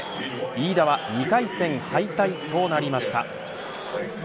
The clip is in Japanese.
飯田は２回戦敗退となりました。